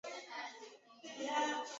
灵魂能否承受寂寞